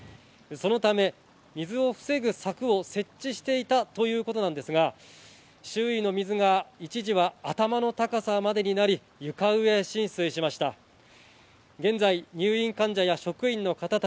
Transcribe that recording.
そのため水を防ぐ柵を設置していたということなんですが、周囲の水が一時は頭の高さまでになり、床上浸水しました。